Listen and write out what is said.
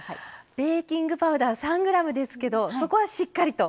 ベーキングパウダー３ｇですけど、そこはしっかりと。